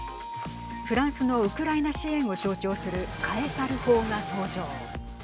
フランスのウクライナ支援を象徴するカエサル砲が登場。